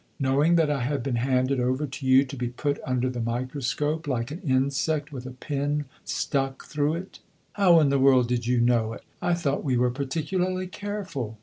knowing that I had been handed over to you to be put under the microscope like an insect with a pin stuck through it!" "How in the world did you know it? I thought we were particularly careful."